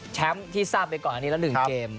ที่ทราบไปก่อนอันนี้ละ๑เกม